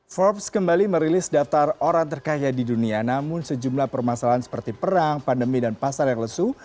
forbes kembali merilis daftar orang terkaya di dunia namun sejumlah permasalahan seperti perang pandemi dan pasar yang lesu